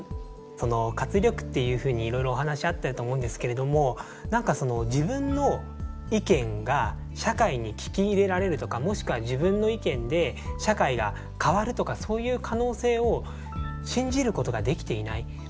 活力っていうふうにいろいろお話あったと思うんですけれども何か自分の意見が社会に聞き入れられるとかもしくは自分の意見で社会が変わるとかそういう可能性を信じることができていない。